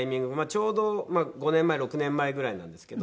ちょうど５年前６年前ぐらいなんですけど。